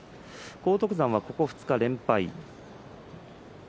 荒篤山は、ここ２日連敗。